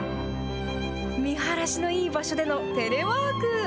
見晴らしのいい場所でのテレワーク。